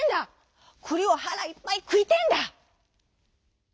くりをはらいっぱいくいてえんだ」。